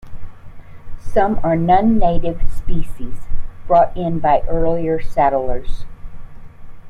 Some are non-native species, brought in by early settlers.